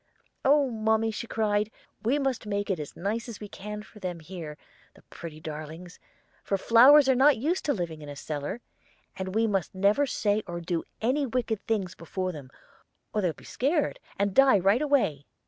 'Oh, mommy,' she cried, 'we must make it as nice as we can for them here, the pretty darlings, for flowers are not used to living in a cellar; and we must never say or do any wicked things before them, or they'll be scared, and die right away.